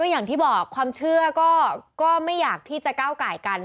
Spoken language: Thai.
อย่างที่บอกความเชื่อก็ไม่อยากที่จะก้าวไก่กัน